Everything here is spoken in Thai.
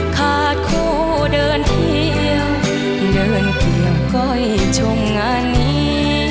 ขาดคู่เดินเที่ยวเดินเกี่ยวก้อยชมงานนี้